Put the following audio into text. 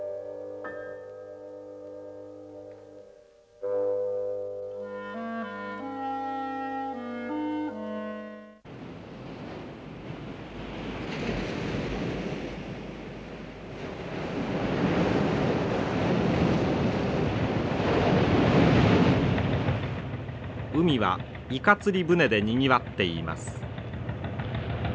海はイカ釣り船でにぎわっています。